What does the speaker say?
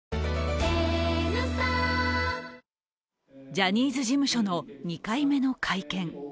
ジャニーズ事務所の２回目の会見。